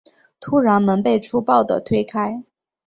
突然门被粗暴的推开